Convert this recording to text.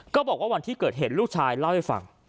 บอกว่าวันที่เกิดเหตุลูกชายเล่าให้ฟัง